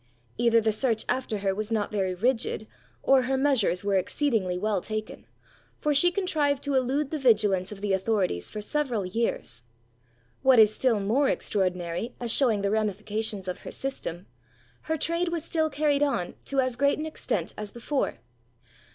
Either the search after her was not very rigid, or her measures were exceedingly well taken; for she contrived to elude the vigilance of the authorities for several years. What is still more extraordinary, as shewing the ramifications of her system, her trade was still carried on to as great an extent as before.